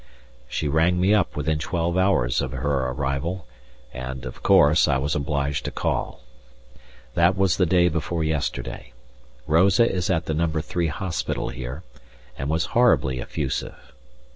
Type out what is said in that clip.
She rang me up within twelve hours of her arrival, and, of course, I was obliged to call. That was the day before yesterday. Rosa is at the No. 3 Hospital here, and was horribly effusive.